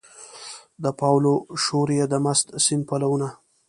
د پاولو شور یې د مست سیند پلونه